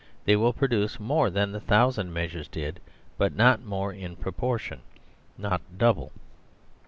They will produce more than the thousand measures did, but not more in proportion ; not double.